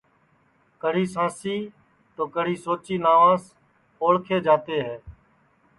کڑی سانسی تو کڑی سوچی ناوس پیچاٹؔے جاتے ہے